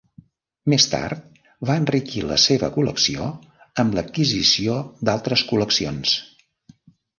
Més tard va enriquir la seva col·lecció amb l'adquisició d'altres col·leccions.